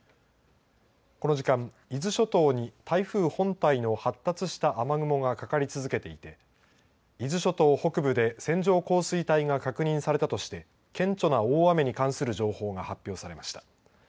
この時間伊豆諸島に台風本体の発達した雨雲がかかり続けていて伊豆諸島北部で線状降水帯が確認されたとして顕著な大雨に関する情報が発表されました。